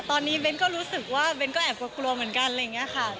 ตอนนี้เบ้นก็รู้สึกว่าเบ้นก็แอบกลัวเหมือนกันอะไรอย่างนี้ค่ะ